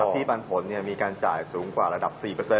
ปันผลมีการจ่ายสูงกว่าระดับ๔